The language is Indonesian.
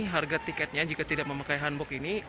harga tiketnya jika tidak memakai hanbok ini